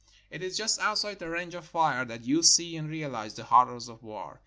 It is just outside the range of fire that you see and realize the horrors of war.